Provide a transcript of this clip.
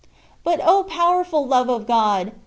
But O ! powerful love of God